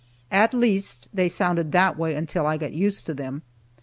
At least, they sounded that way till I got used to them.